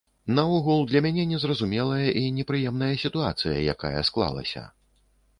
Наогул, для мяне незразумелая і непрыемная сітуацыя, якая склалася.